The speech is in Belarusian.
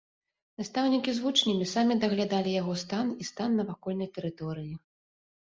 Настаўнікі з вучнямі самі даглядалі яго стан і стан навакольнай тэрыторыі.